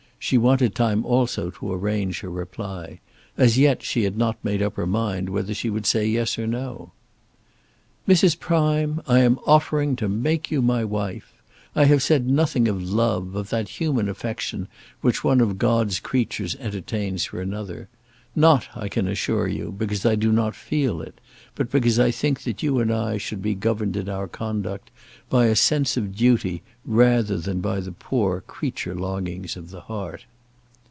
She wanted time also to arrange her reply. As yet she had not made up her mind whether she would say yes or no. "Mrs. Prime, I am offering to make you my wife. I have said nothing of love, of that human affection which one of God's creatures entertains for another; not, I can assure you, because I do not feel it, but because I think that you and I should be governed in our conduct by a sense of duty, rather than by the poor creature longings of the heart."